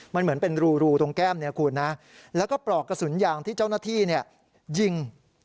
มันเหมือนเป็นรูตรงแก้มเนี่ยคุณนะแล้วก็ปลอกกระสุนยางที่เจ้าหน้าที่ยิง